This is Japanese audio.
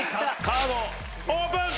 カードオープン！